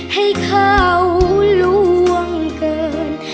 ให้เขาล่วงเกิน